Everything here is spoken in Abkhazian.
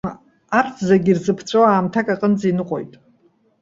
Арҭ зегьы ирзыԥҵәоу аамҭак аҟынӡа иныҟәоит.